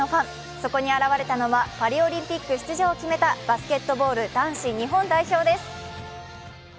そこに現れたのはパリオリンピック出場を決めたバスケットボール男子日本代表です。